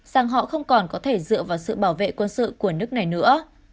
rằng họ không còn có thể dựa vào sự bảo vệ quân sự của nước này nữa